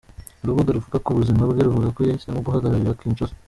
Urubuga ruvuga ku buzima bwe ruvuga ko yahisemo guhagararira Kinshasa.